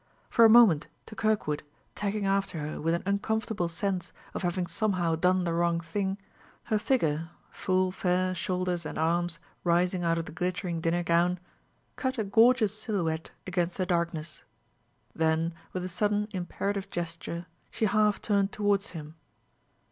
For a moment, to Kirkwood, tagging after her with an uncomfortable sense of having somehow done the wrong thing, her figure full fair shoulders and arms rising out of the glittering dinner gown cut a gorgeous silhouette against the darkness. Then, with a sudden, imperative gesture, she half turned towards him.